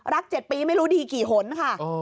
๗ปีไม่รู้ดีกี่หนค่ะ